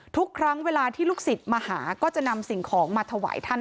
ทุกครั้งเวลาที่ลูกศิษย์มาหาก็จะนำสิ่งของมาถวายท่าน